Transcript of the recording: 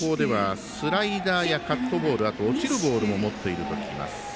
事前の情報ではスライダーやカットボール、落ちるボールも持っていると聞きます。